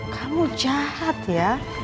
kamu jahat ya